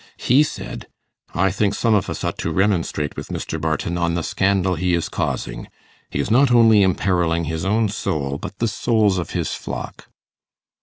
He said, 'I think some of us ought to remonstrate with Mr. Barton on the scandal he is causing. He is not only imperilling his own soul, but the souls of his flock.